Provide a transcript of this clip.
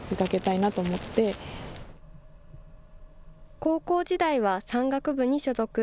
高校時代は山岳部に所属。